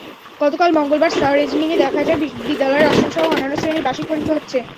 গতকাল মঙ্গলবার সরেজমিনে দেখা যায়, বিদ্যালয়ের অষ্টমসহ অন্যান্য শ্রেণির বার্ষিক পরীক্ষা হচ্ছে।